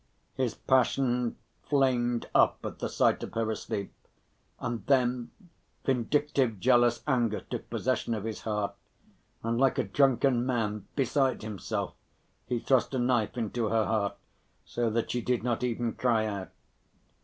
His passion flamed up at the sight of her asleep, and then vindictive, jealous anger took possession of his heart, and like a drunken man, beside himself, he thrust a knife into her heart, so that she did not even cry out.